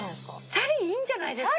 チャリいいんじゃないですか？